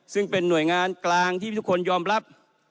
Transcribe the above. ซึ่งเป็นหน่วยงานกลางที่ทุกคนยอมรับ